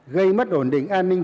gây mất ổn định an ninh